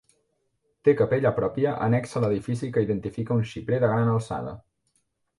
Té capella pròpia annexa a l'edifici que identifica un xiprer de gran alçada.